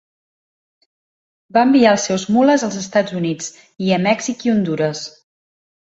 Va enviar els seus mules als Estats Units, i a Mèxic i Hondures.